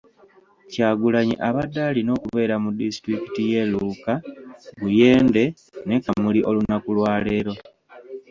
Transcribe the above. Kyagulanyi abadde alina okubeera mu disitulikiti y'e Luuka, Buyende ne Kamuli olunaku lwaleero.